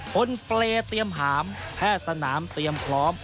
นเปรย์เตรียมหามแพทย์สนามเตรียมพร้อม